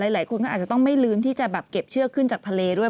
หลายคนก็อาจจะต้องไม่ลืมที่จะแบบเก็บเชือกขึ้นจากทะเลด้วย